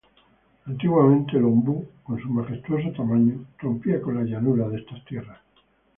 Antiguamente el ombú, con su majestuoso tamaño, rompía con la llanura de estas tierras.